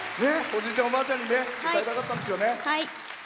おじいちゃん、おばあちゃんに歌いたかったんですよね。